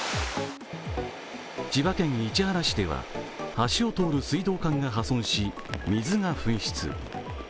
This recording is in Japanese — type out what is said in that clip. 千葉県市原市では橋を通る水道管が破損し、水が噴出。